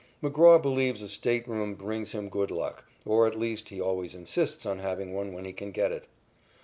McGraw believes a stateroom brings him good luck, or at least he always insists on having one when he can get it.